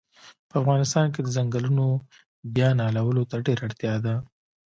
په افغانستان کښی د ځنګلونو بیا نالولو ته ډیره اړتیا ده